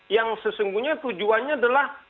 yang sesungguhnya tujuannya adalah